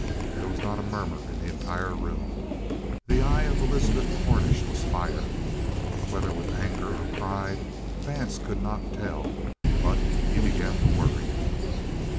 There was not a murmur in the entire room. The eye of Elizabeth Cornish was fire. Whether with anger or pride, Vance could not tell. But he began to worry.